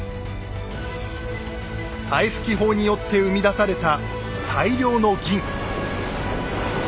灰吹法によって生み出された大量の銀。